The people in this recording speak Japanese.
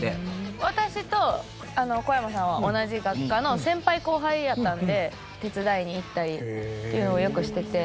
私とこやまさんは同じ学科の先輩後輩やったんで手伝いに行ったりっていうのをよくしてて。